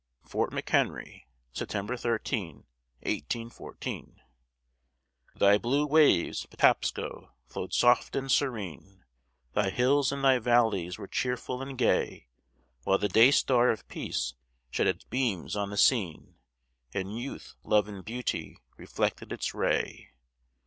FORT McHENRY [September 13, 1814] Thy blue waves, Patapsco, flow'd soft and serene, Thy hills and thy valleys were cheerful and gay, While the day star of Peace shed its beams on the scene, And youth, love, and beauty reflected its ray.